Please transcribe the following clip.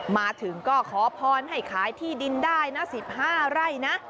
มาถึงก็ขอพรให้ขายที่ดินได้นะ๑๕ไร่นะ